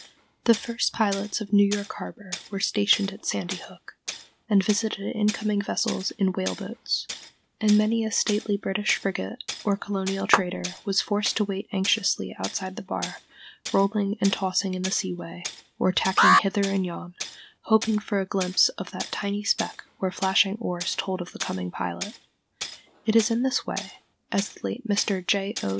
The first pilots of New York harbor were stationed at Sandy Hook, and visited incoming vessels in whale boats; and many a stately British frigate or colonial trader was forced to wait anxiously outside the bar, rolling and tossing in the sea way, or tacking hither and yon, hoping for a glimpse of that tiny speck where flashing oars told of the coming pilot. It is in this way, as the late Mr. J. O.